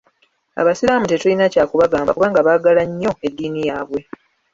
Abasiraamu tetulina kya kubagamba kubanga baagala nnyo eddiini yaabwe.